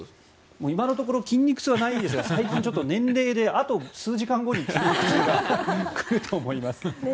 今のところ筋肉痛はないですが最近、ちょっと年齢であと数時間後に筋肉痛が来ると思います。